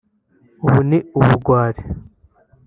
ubu ni ubugwari